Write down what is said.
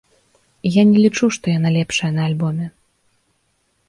Я не лічу, што яна лепшая на альбоме.